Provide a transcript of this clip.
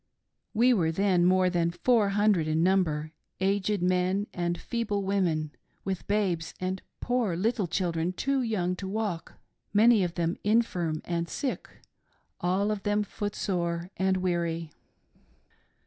We were then more than four hundred in number — aged men and feeble women, with babes and poor little children too young to walk; many of them infirm and sick, all of them footsore and weary.